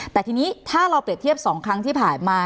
แต่ทีนี้ถ้าเราเปรียบเทียบ๒ครั้งที่ผ่านมา